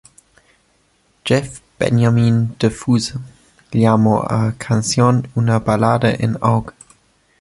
Jeff Benjamin de Fuse llamó a la canción una "balada en auge".